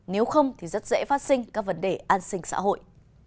nếu không thì rất dễ phát sinh các vấn đề an sinh xã hội